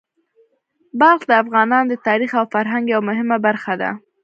بلخ د افغانانو د تاریخ او فرهنګ یوه مهمه برخه ده.